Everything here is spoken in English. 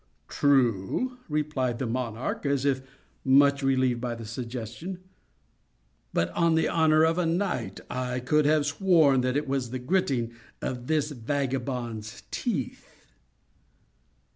"True," replied the monarch, as if much relieved by the suggestion; "but, on the honor of a knight, I could have sworn that it was the gritting of this vagabond's teeth."